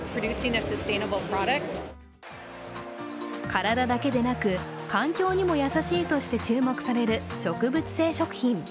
体だけでなく環境にも優しいとして注目される植物性食品。